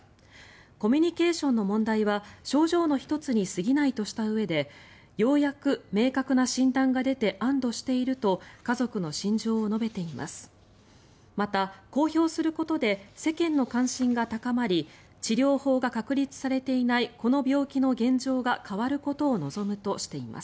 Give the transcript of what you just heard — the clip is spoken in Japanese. コミュニケーションの問題は症状の１つに過ぎないとしたうえでようやく明確な診断が出て安どしていると家族の心情を述べています。